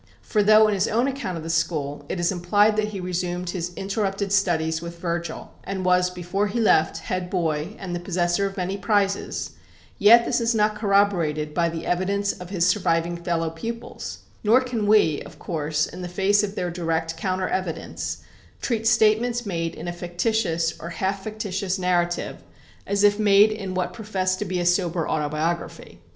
For though in his own account of the school it is implied that he resumed his interrupted studies with Virgil, and was, before he left, head boy, and the possessor of many prizes, yet this is not corroborated by the evidence of his surviving fellow pupils; nor can we, of course, in the face of their direct counter evidence, treat statements made in a fictitious or half fictitious narrative as if made in what professed to be a sober autobiography.